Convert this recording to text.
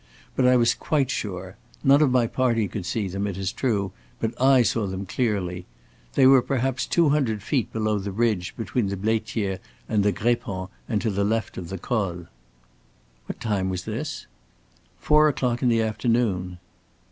But I was quite sure. None of my party could see them, it is true, but I saw them clearly. They were perhaps two hundred feet below the ridge between the Blaitiere and the Grépon and to the left of the Col." "What time was this?" "Four o'clock in the afternoon."